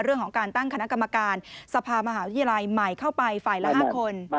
เรื่องของการตั้งคณะกรรมการสภามหาวิทยาลัยใหม่เข้าไปฝ่ายละ๕คน